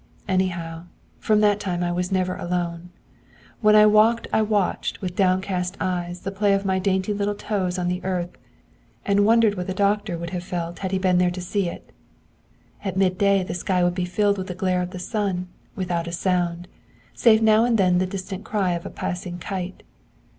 'Anyhow, from that time I was never alone. When I walked I watched with downcast eyes the play of my dainty little toes on the earth, and wondered what the doctor would have felt had he been there to see. At mid day the sky would be filled with the glare of the sun, without a sound, save now and then the distant cry of a passing kite.